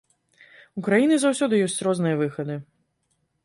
У краіны заўсёды ёсць розныя выхады.